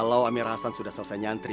ialupai problems mereka carpet oleh memulai